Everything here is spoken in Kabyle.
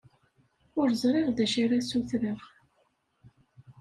Ur ẓriɣ d acu ara ssutreɣ.